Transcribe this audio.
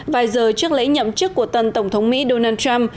vài giờ trước lễ nhậm chức của tân tổng thống mỹ donald trump